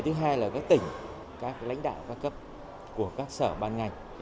thứ hai là các tỉnh các lãnh đạo các cấp của các sở ban ngành